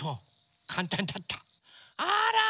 あら。